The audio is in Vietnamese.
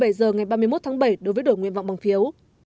một mươi bảy h ngày ba mươi một tháng bảy đối với đội nguyện vọng bằng phiếu